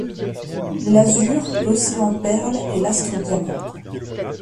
L’azur, l’océan perle et l’astre diamant, :